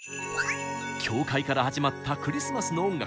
教会から始まったクリスマスの音楽。